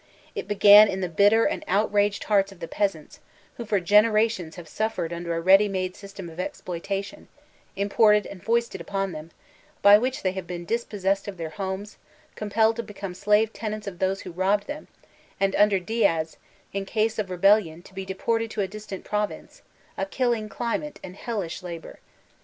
It began in the bitter and outraged hearts of the peasants, who for generations have suffered under a ready made system of exploitation, imported and foisted upon them, by which they have been dispossessed of their homes, compelled to become slave tenants of those who robbed them ; and under Diaz, in case of rebellion to be deported to a distant province, a killing climate, and hellish labor.